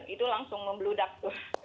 itu langsung membeludak tuh